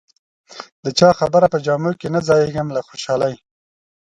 د چا خبره په جامو کې نه ځایېږم له خوشالۍ.